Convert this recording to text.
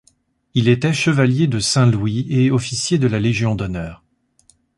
Il était chevalier de Saint-Louis et officier de la Légion d'honneur.